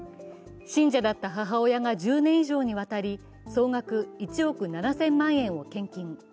信者だった母親が１０年以上にわたり、総額１億７０００万円を献金。